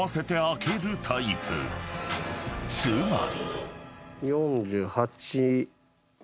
［つまり］